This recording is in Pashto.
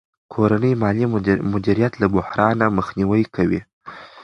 کورنی مالي مدیریت له بحران مخنیوی کوي.